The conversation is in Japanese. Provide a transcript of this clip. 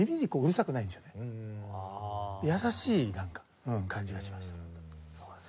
優しい感じがしました。